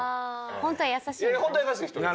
ホントは優しいんだね。